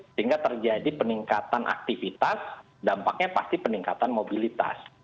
sehingga terjadi peningkatan aktivitas dampaknya pasti peningkatan mobilitas